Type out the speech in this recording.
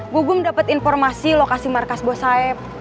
gugum dapet informasi lokasi markas bos saeb